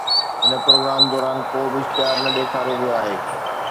هن پروگرام دوران ڪو به اشتهار نه ڏيکاريو ويو آهي